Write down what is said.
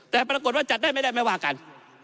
แต่ปรากฏว่าจัดได้ไม่ได้ไม่ว่ากัน